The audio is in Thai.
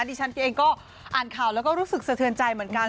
ดิฉันเองก็อ่านข่าวแล้วก็รู้สึกสะเทือนใจเหมือนกัน